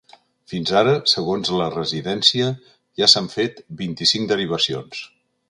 Fins ara, segons la residència, ja s’han fet vint-i-cinc derivacions.